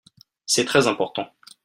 C'est très important.